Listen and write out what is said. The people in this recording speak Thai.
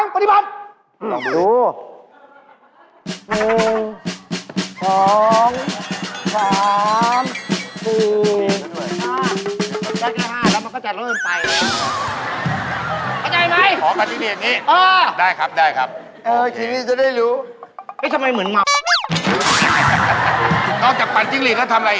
นอกจากปัญชิงฤทธิ์เราทำอะไรอีก